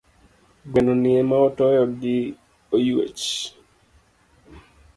Gweno ni ema otoyo gi oyuech.